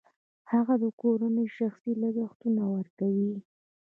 هغه د کورنۍ شخصي لګښتونه ورکوي